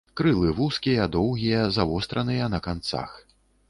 Крылы вузкія, доўгія, завостраныя на канцах.